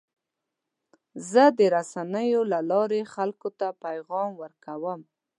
زه د رسنیو له لارې خلکو ته پیغام ورکوم.